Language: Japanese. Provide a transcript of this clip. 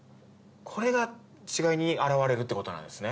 これが違いに表れるっていうことなんですね。